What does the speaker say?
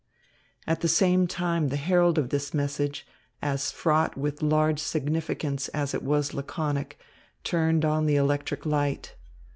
At the same time the herald of this message, as fraught with large significance as it was laconic, turned on the electric light.